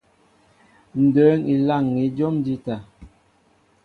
Ǹ dǐŋ elâŋ̀i jǒm njíta.